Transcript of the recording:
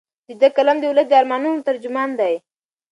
د ده قلم د ولس د ارمانونو ترجمان دی.